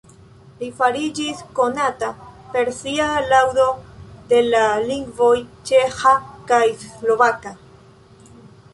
Li fariĝis konata per sia laŭdo de la lingvoj ĉeĥa kaj slovaka.